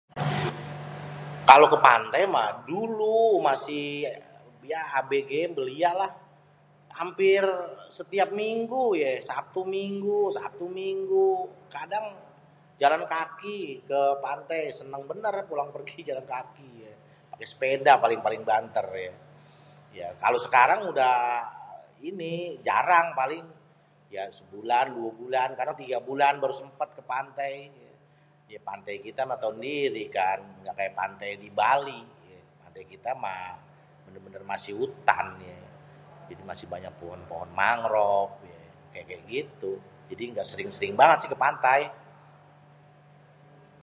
Kalo ke pantai mah dulu pas masih abg belia lah ampir setiap minggu, sabtu minggu-sabtu minggu, kadang jalan kaki ke pantai seneng bener pulang pergi jalan kaki pake sepeda paling banter yé. Kalo sekarang udah ini jarang paling ya sebulan dua bulan kadang tiga bulan baru sempet ke pantai, ya pantai kita mah tau sendiri kan, ngga kaya pantai di Bali. Pantai kita mah bener-bener masih hutan ye jadi masih banyak pohon-pohon mangrov kayak-kayak gitu jadi gak sering-sering banget sih ke pantai.